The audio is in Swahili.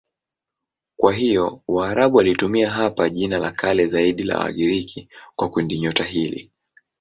Kwa hiyo Waarabu walitumia hapa jina la kale zaidi la Wagiriki kwa kundinyota hili.